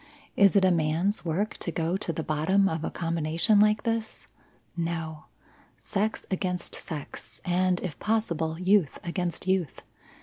Is it a man's work to go to the bottom of a combination like this? No. Sex against sex, and, if possible, youth against youth.